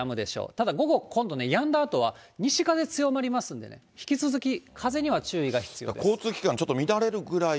ただ午後、今度やんだあとは西風強まりますんでね、交通機関、ちょっと乱れるぐらい？